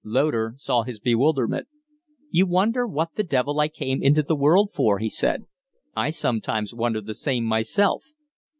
Loder saw his bewilderment. "You wonder what the devil I came into the world for," he said. "I sometimes wonder the same myself."